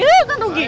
huu kan rugi